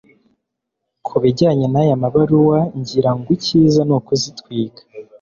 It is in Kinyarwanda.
kubijyanye naya mabaruwa, ngira ngo icyiza nukuzitwika